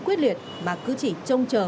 quyết liệt mà cứ chỉ trông chờ